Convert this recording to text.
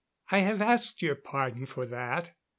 "I have asked your pardon for that.